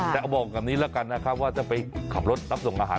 แต่เอาบอกอย่างนี้แล้วกันว่าจะไปขับรถรับส่งอาหาร